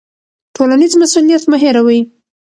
ټولنیز مسوولیت مه هیروئ.